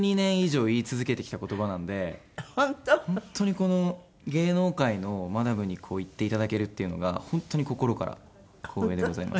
本当にこの芸能界のマダムに言っていただけるっていうのが本当に心から光栄でございます。